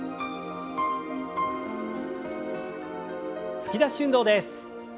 突き出し運動です。